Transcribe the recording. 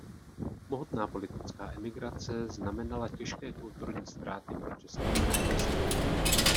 Mohutná politická emigrace znamenala těžké kulturní ztráty pro České království.